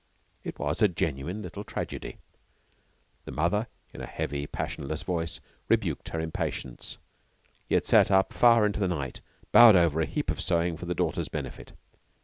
It was a genuine little tragedy. The mother, in a heavy, passionless voice, rebuked her impatience, yet sat up far into the night, bowed over a heap of sewing for the daughter's benefit.